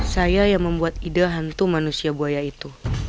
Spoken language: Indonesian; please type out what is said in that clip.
saya yang membuat ide hantu manusia buaya itu